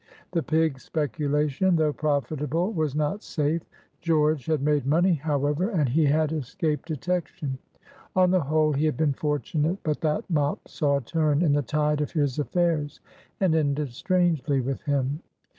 The pig speculation, though profitable, was not safe. George had made money, however, and he had escaped detection. On the whole, he had been fortunate. But that mop saw a turn in the tide of his affairs, and ended strangely with him.